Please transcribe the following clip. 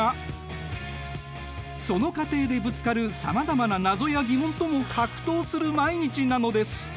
その過程でぶつかるさまざまな謎や疑問とも格闘する毎日なのです。